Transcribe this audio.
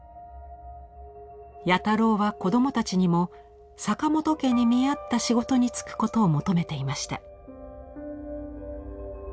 弥太郎は子どもたちにも坂本家に見合った仕事に就くことを求めていました。